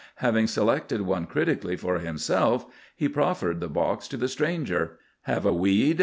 Having selected one critically for himself, he proffered the box to the stranger. "Have a weed?"